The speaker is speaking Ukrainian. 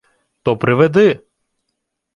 — То приведи.